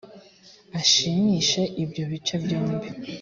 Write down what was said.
ashimishe ibyo bice byombi